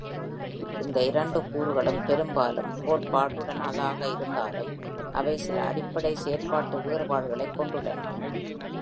இந்த இரண்டு கூறுகளும் பெரும்பாலும் கோட்பாடுடனானதாக இருந்தாலும் அவை சில அடிப்படை செயல்பாட்டு வேறுபாடுகளைக் கொண்டுள்ளன.